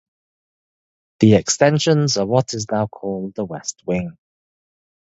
The extensions are what is now called the west wing.